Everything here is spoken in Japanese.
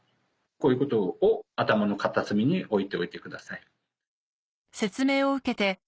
こういうことを頭の片隅に置いておいてください。